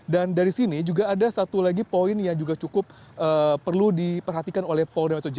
dan dari sini juga ada satu lagi poin yang juga cukup perlu diperhatikan oleh paul d hall h i j